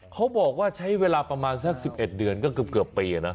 เขาบอกว่าใช้เวลาประมาณสัก๑๑เดือนก็เกือบปีนะ